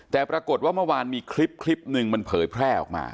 แต่ปรากฏว่าเมื่อวานมีคลิปหนึ่งมันเผยแพร่ออกมา